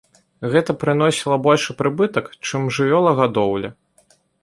Гэта прыносіла большы прыбытак, чым жывёлагадоўля.